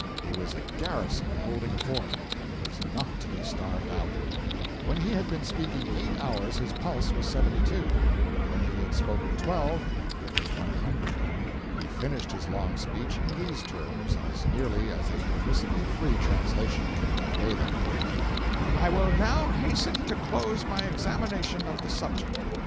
He was a garrison holding a fort, and was not to be starved out. When he had been speaking eight hours his pulse was 72; when he had spoken twelve, it was 100. He finished his long speech in these terms, as nearly as a permissibly free translation can convey them: 'I will now hasten to close my examination of the subject.